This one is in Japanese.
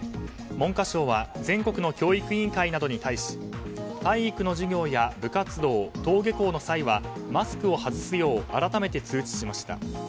文科省は全国の教育委員会などに対し体育の授業や部活動登下校の際はマスクを外すよう改めて通知しました。